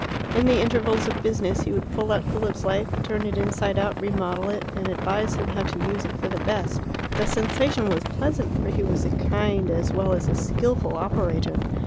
In the intervals of business he would pull out Philip's life, turn it inside out, remodel it, and advise him how to use it for the best. The sensation was pleasant, for he was a kind as well as a skilful operator.